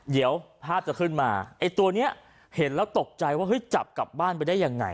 เดี๋ยวภาพจะขึ้นมาไอ้ตัวนี้เห็นแล้วตกใจว่าเฮ้ยจับกลับบ้านไปได้ยังไง